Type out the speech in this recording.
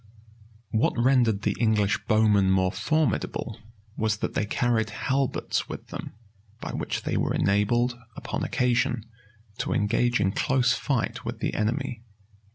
What rendered the English bowmen more formidable was, that they carried halberts with them, by which they were enabled, upon occasion, to engage in close fight with the enemy.